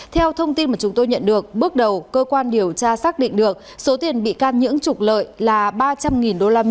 theo thông tin mà chúng tôi nhận được bước đầu cơ quan điều tra xác định được số tiền bị can nhưỡng trục lợi là ba trăm linh usd